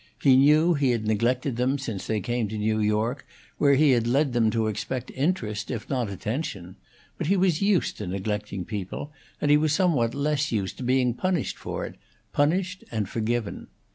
He knew he had neglected them since they came to New York, where he had led them to expect interest, if not attention; but he was used to neglecting people, and he was somewhat less used to being punished for it punished and forgiven.